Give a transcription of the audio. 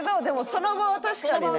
その場は確かに。